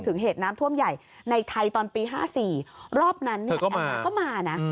กับหตนท่วมใหญ่ในไทยตอนปี๕๔รอบนั้นคือเขาก็มานะ